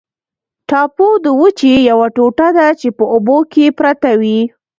ټاپو د وچې یوه ټوټه ده چې په اوبو کې پرته وي.